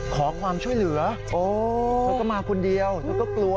ขอความช่วยเหลือเธอก็มาคนเดียวเธอก็กลัว